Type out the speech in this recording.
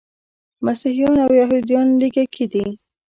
مسیحیان او یهودان لږکي دي.